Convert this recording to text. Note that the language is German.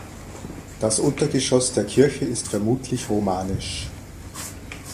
Das Untergeschoss der Kirche ist vermutlich romanisch.